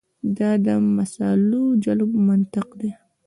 دا د مصالحو جلب منطق دی.